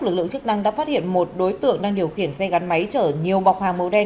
lực lượng chức năng đã phát hiện một đối tượng đang điều khiển xe gắn máy chở nhiều bọc hàng màu đen